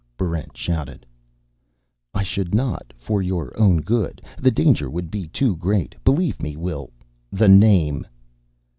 Barrent shouted. "I should not, for your own good. The danger would be too great. Believe me, Will...." "The name!"